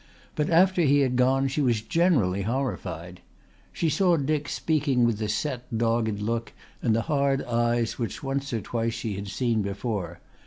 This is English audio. But after he had gone she was genuinely horrified. She saw Dick speaking with the set dogged look and the hard eyes which once or twice she had seen before.